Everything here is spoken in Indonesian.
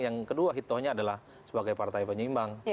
yang kedua hitohnya adalah sebagai partai penyeimbang